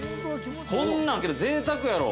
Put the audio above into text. ◆こんなん、けどぜいたくやろ！